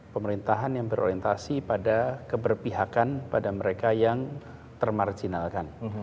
pemerintahan yang berorientasi pada keberpihakan pada mereka yang termarjinalkan